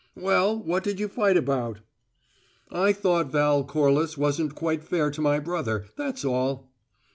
"Well, what did you fight about?" "I thought Val Corliss wasn't quite fair to my brother. That's all."